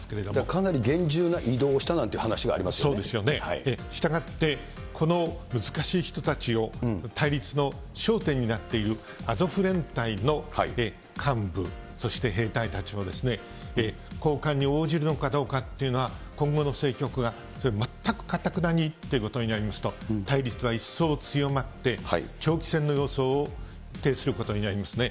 かなり厳重な移動をしたなんそうですよね、したがって、この難しい人たちを、対立の焦点になっているアゾフ連隊の幹部、そして兵隊たちを、交換に応じるのかどうかっていうのは、今後の政局が全くかたくなにっていうことになりますと、対立が一層強まって、長期戦の様相を呈することになりますね。